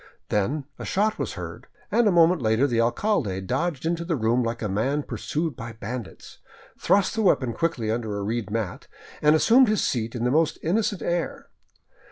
Then a shot was heard, and a moment later the alcalde dodged Into the room like a man pursued by bandits, thrust the weapon quickly under a reed mat, and assumed his seat and his most innocent air.